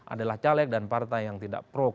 adalah caleg dan partai yang tidak pro